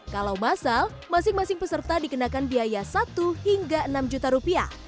kalau masal masing masing peserta dikenakan biaya satu hingga enam juta rupiah